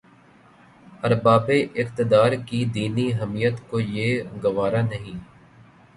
اربابِ اقتدارکی دینی حمیت کو یہ گوارا نہیں